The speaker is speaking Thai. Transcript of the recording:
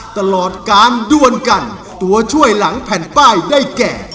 ตลอดการด้วนกันตัวช่วยหลังแผ่นป้ายได้แก่